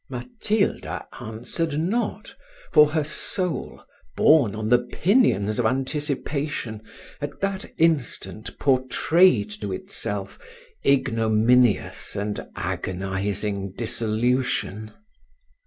Matilda answered not; for her soul, borne on the pinions of anticipation, at that instant portrayed to itself ignominious and agonising dissolution.